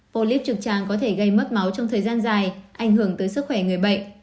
polip trực tràng có thể gây mất máu trong thời gian dài ảnh hưởng tới sức khỏe người bệnh